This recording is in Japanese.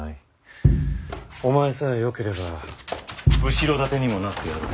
お前さえよければ後ろ盾にもなってやろう。